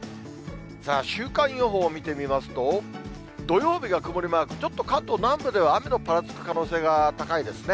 さあ、週間予報見てみますと、土曜日が曇りマーク、ちょっと関東南部では、雨のぱらつく可能性が高いですね。